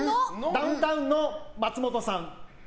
ダウンタウンの松本さん。